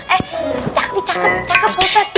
eh cakep cakep cakep pak ustadz